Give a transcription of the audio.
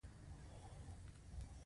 دا د یادې شوې قاعدې له مخې بدلیږي.